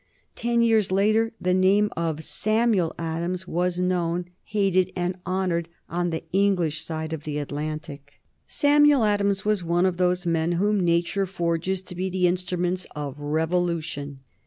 Ten years later the name of Samuel Adams was known, hated, and honored on the English side of the Atlantic. [Sidenote: 1765 Samuel Adams] Samuel Adams was one of those men whom Nature forges to be the instruments of revolution.